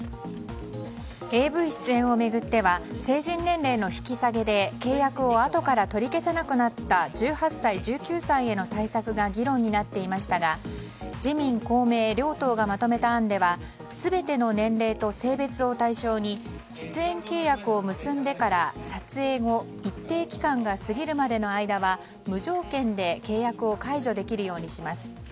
ＡＶ出演を巡っては成人年齢の引き下げて契約をあとから取り消せなくなった１８歳、１９歳への対策が議論になっていましたが自民・公明両党がまとめた案では全ての年齢と性別を対象に出演契約を結んでから撮影後一定期間が過ぎるまでは無条件で契約を解除できるようにします。